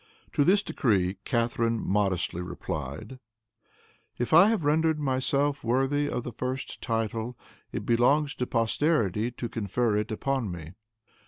To this decree Catharine modestly replied, "If I have rendered myself worthy of the first title, it belongs to posterity to confer it upon me.